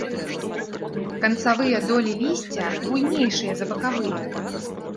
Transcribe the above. Канцавыя долі лісця буйнейшыя за бакавыя.